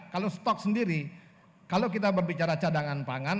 kalau stok sendiri kalau kita berbicara cadangan pangan